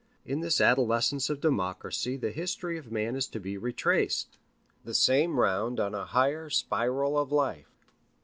In this adolescence of Democracy the history of man is to be retraced, the same round on a higher spiral of life.